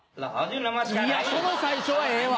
いやその最初はええわ。